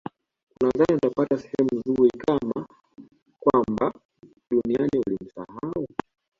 unadhani utapata sehemu nzuri kama kwamba duniani ulimsahau